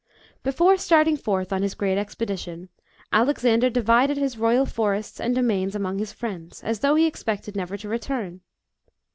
BEFORE starting forth on his great expedition, Alexander divided his royal forests and domains among his friends, as though he expected never to return.